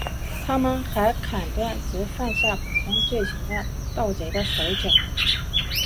他们还砍断只犯下普通罪行的盗贼的手脚。